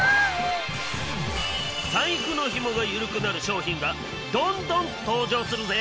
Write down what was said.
財布の紐が緩くなる商品がどんどん登場するぜ！